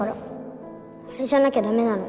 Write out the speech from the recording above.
あれじゃなきゃ駄目なの。